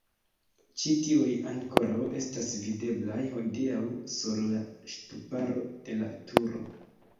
Ĉi tiuj ankoraŭ estas videblaj hodiaŭ sur la ŝtuparo de la turo.